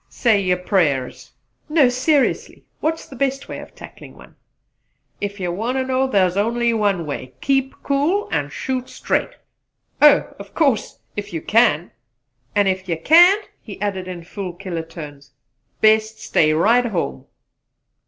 "Say yer prayers!" "No seriously what is the best way of tackling one?" "Ef yer wawnt to know, thar's only one way: Keep cool and shoot straight!" "Oh! of course if you can?" "An' ef you can't" he added in fool killer tones, "best stay right home!"